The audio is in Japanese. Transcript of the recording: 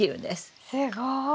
わすごい。